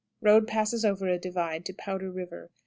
Road passes over a divide to "Powder River."